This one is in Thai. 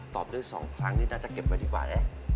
ได้๒ครั้งนี่น่าจะเก็บไว้ดีกว่านะ